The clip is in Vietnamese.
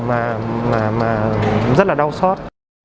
mà rất là đau xót